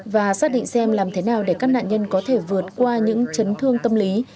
và xác định xem làm thế nào để các nạn nhân có thể vượt qua những chấn thương tâm lý